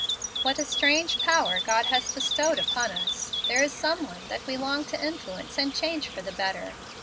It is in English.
What a strange power God has bestowed upon us! There is some one that we long to influence and change for the better.